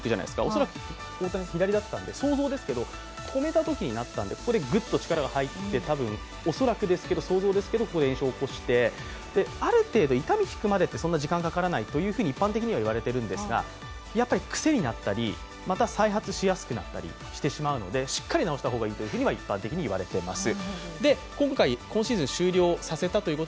恐らく大谷は左だったんで、想像ですけど、止めたときになったんで、グッと力が入って、恐らくですけど想像ですけどここで炎症を起こして、ある程度痛みが引くまでってあんまり時間がかからないと一般的にはいわれているんですが、やっぱり癖になったり、また再発しやすくなったりしますのでしっかり治した方がいいと一般的に言われています。